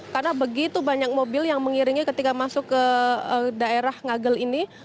karena begitu banyak mobil yang mengiringi ketika masuk ke daerah ngagel ini